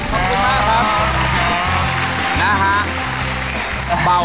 ขอบคุณมากครับ